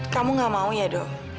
kamu gak mau ya do